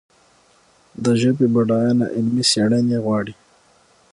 د ژبې بډاینه علمي څېړنې غواړي.